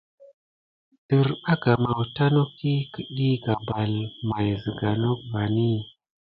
Desbarga mawta nok i ķəɗi gabal may may zəga nok vani.